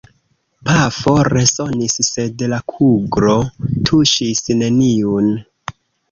Pafo resonis; sed la kuglo tuŝis neniun.